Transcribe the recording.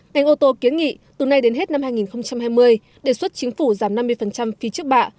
ngành ô tô kiến nghị từ nay đến hết năm hai nghìn hai mươi đề xuất chính phủ giảm năm mươi phí trước bạ